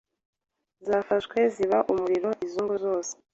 zafashwe ziba umuriro izo ngo zose